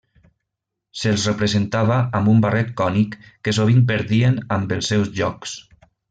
Se'ls representava amb un barret cònic, que sovint perdien amb els seus jocs.